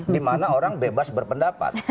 dimana orang bebas berpendapat